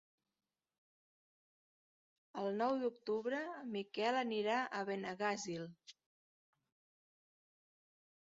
El nou d'octubre en Miquel anirà a Benaguasil.